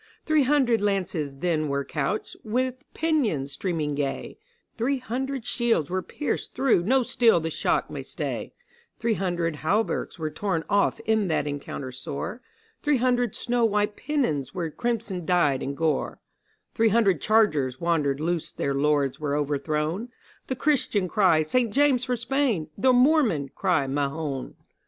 Three hundred lances then were couched, with pennons streaming gay; Three hundred shields were pierced through no steel the shock might stay; Three hundred hauberks were torn off in that encounter sore; Three hundred snow white pennons were crimson dyed in gore; Three hundred chargers wandered loose their lords were overthrown; The Christians cry 'St. James for Spain!' the Moormen cry 'Mahoun!